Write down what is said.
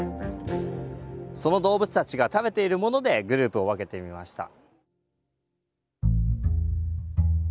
その動物たちが食べているものでグループを分けてみました。